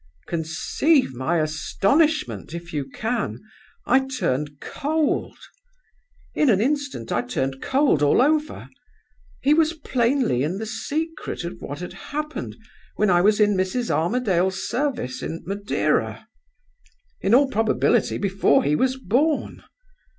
"Conceive my astonishment, if you can. I turned cold. In an instant I turned cold all over. He was plainly in the secret of what had happened when I was in Mrs. Armadale's service in Madeira in all probability before he was born!